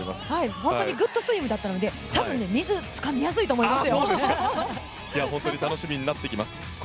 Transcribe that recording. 本当にグッドスイムだったので多分水つかみやすいと思います。